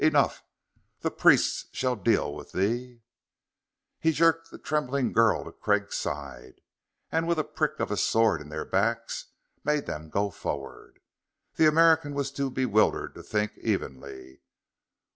Enough! The priests shall deal with thee!" He jerked the trembling girl to Craig's side, and with a prick of his sword in their backs made them go forward. The American was too bewildered to think evenly.